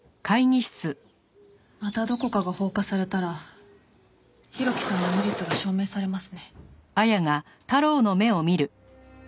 またどこかが放火されたら浩喜さんの無実が証明されますね。